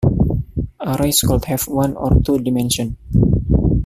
Arrays could have one or two dimensions.